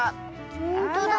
ほんとだ。